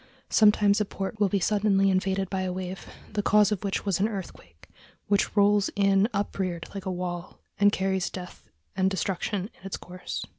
Sometimes a port will be suddenly invaded by a wave, the cause of which was an earthquake, which rolls in upreared like a wall, and carries death and destruction in its course.